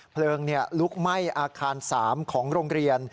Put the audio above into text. เพลิงลุกไหม้อาคาร๓ของโรงเรียน